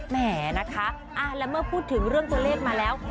แหมนะคะแล้วเมื่อพูดถึงเรื่องตัวเลขมาแล้ว